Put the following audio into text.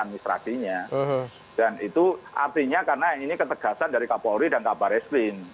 dan itu artinya karena ini ketegasan dari kabar polri dan kabar eskrim